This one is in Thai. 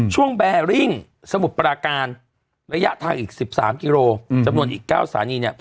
ช่วงแบร์ริ่งสมุดปราการระยะทางอีก๑๓กิโลจำนวนอีก๙สารี